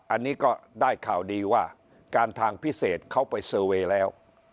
อันนี้ก็ได้ข่าวดีว่าการทางพิเศษเขาไปเซอร์เวย์แล้ว